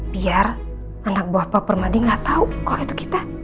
biar anak buah pak permadi nggak tahu kok itu kita